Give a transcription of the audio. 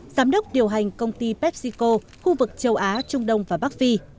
giám đốc điều hành công ty pepsico khu vực châu á trung đông và bắc phi